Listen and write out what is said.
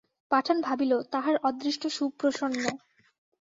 পাঠান ভাবিল, তাহার অদৃষ্ট সুপ্রসন্ন।